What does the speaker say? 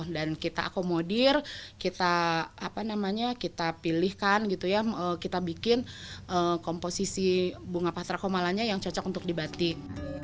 dan kita akomodir kita pilihkan kita bikin komposisi bunga patra komalanya yang cocok untuk di batik